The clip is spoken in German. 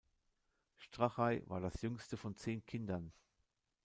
Strachey war das jüngste von zehn Kindern.